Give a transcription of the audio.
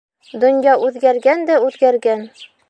Донъя үҙгәргән дә үҙгәргән.